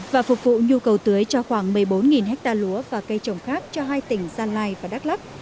và phục vụ nhu cầu tưới cho khoảng một mươi bốn ha lúa và cây trồng khác cho hai tỉnh gia lai và đắk lắk